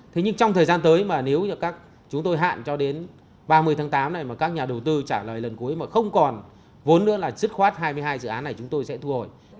thế nhưng trong thời gian tới mà nếu như các chúng tôi hạn cho đến ba mươi tháng tám này mà các nhà đầu tư trả lời lần cuối mà không còn vốn nữa là dứt khoát hai mươi hai dự án này chúng tôi sẽ thu hồi